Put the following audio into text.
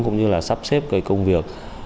cũng như là sắp xếp cái công việc